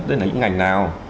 đấy là những ngành nào